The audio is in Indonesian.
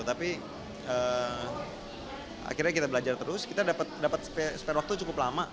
tapi akhirnya kita belajar terus kita dapat spare waktu cukup lama